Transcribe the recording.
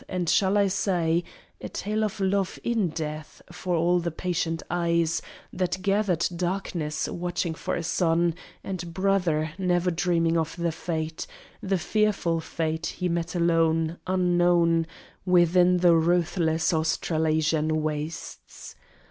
And shall I say A tale of love in death for all the patient eyes That gathered darkness, watching for a son And brother, never dreaming of the fate The fearful fate he met alone, unknown, Within the ruthless Australasian wastes?